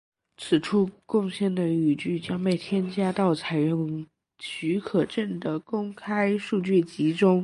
此处贡献的语句将被添加到采用许可证的公开数据集中。